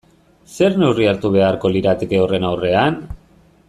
Zer neurri hartu beharko lirateke horren aurrean?